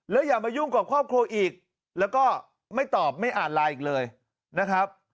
อย่ามายุ่งกับครอบครัวอีกแล้วก็ไม่ตอบไม่อ่านไลน์อีกเลยนะครับ